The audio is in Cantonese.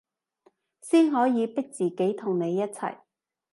先可以逼自己同你一齊